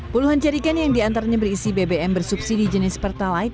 puluhan jarigan yang diantaranya berisi bbm bersubsidi jenis pertalite